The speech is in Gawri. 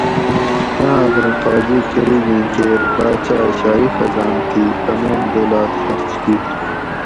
قحط رہ قابو کۤروگیں کیر باچاۤ شاہی خزان تھی تمام دولت خرچ کیر